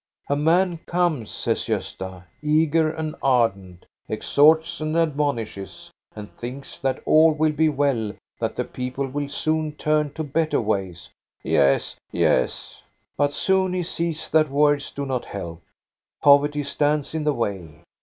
" A man comes," says Gosta, " eager and ardent, exhorts and admonishes, and thinks that all will be well, that the people will soon turn to better ways." " Yes, yes." "But soon he sees that words do not help. Poverty stands in the way.